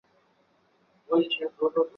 现在普雷斯顿车站共有八个月台。